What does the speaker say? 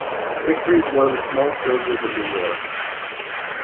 Victory is one of the smallest villages in New York.